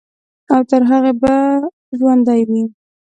او تر هغې به ژوندے وي،